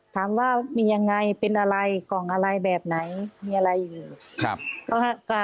ถามว่ามียังไงเป็นอะไรกล่องอะไรแบบไหนมีอะไรอยู่